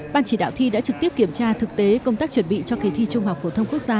ban chỉ đạo thi đã trực tiếp kiểm tra thực tế công tác chuẩn bị cho kỳ thi trung học phổ thông quốc gia